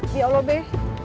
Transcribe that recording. ya allah be